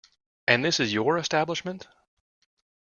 And this is your establishment?